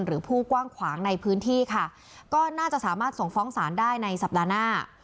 หรือผู้กว้างขวางในพื้นที่ค่ะก็น่าจะสามารถส่งฟ้องศาลได้ในสัปดาห์หน้า